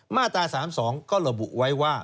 มาตรา๓๒ก็ระบุไว้ว่า